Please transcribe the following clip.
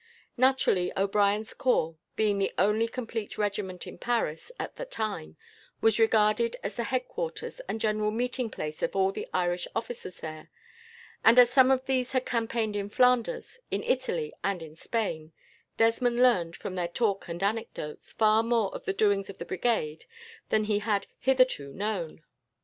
Naturally, O'Brien's corps, being the only complete regiment in Paris, at the time, was regarded as the headquarters and general meeting place of all the Irish officers there; and, as some of these had campaigned in Flanders, in Italy, and in Spain, Desmond learned, from their talk and anecdotes, far more of the doings of the Brigade than he had hitherto known.